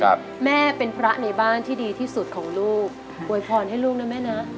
แม่เป็นพระในบ้านที่ดีที่สุดของลูกอวยพรให้ลูกนะแม่นะ